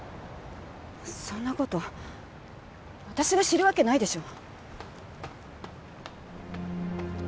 そんな事私が知るわけないでしょ。